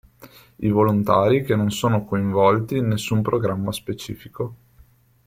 I volontari che non sono coinvolti in nessun programma specifico.